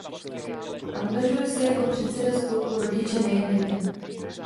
Angažuje se jako předseda spolku "Rodiče nejen dětem".